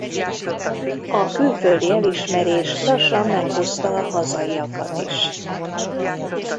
A külföldi elismerés lassan meghozta a hazaiakat is.